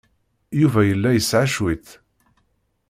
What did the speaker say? Yuba yella yesɛa cwiṭ.